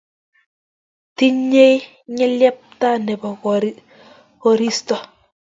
Tinyei ng'elyepta nebo koristo.